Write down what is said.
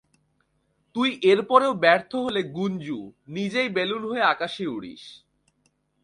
তুই এরপরেও ব্যর্থ হলে গুঞ্জু, নিজেই বেলুন হয়ে আকাশে উড়িস।